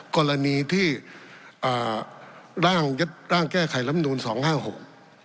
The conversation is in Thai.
กรณีที่อ่าร่างยึดร่างแก้ไขลำนูนสองห้าหก